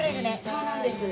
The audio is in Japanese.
そうなんです。